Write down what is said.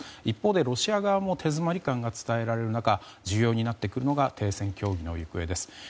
一方でロシア側も手詰まり感が伝えられる中重要になってくるのが停戦協議の行方です。